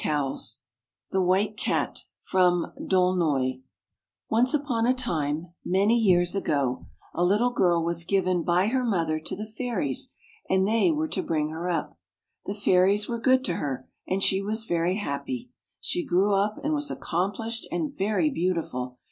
62 ] THE WHITE GAT O NCE upon a time, many years ago, a little girl was given by her mother to the fairies, and they were to bring her up. The fairies were good to her, and she was very happy. She grew up, and was accom plished and very beautiful.